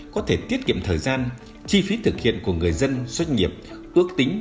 có thể tiết kiệm cho các dịch vụ không trực tuyến